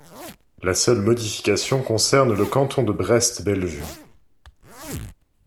La seule modification concerne le canton de Brest-Bellevue.